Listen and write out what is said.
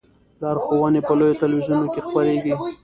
لارښوونې په لویو تلویزیونونو کې خپریږي.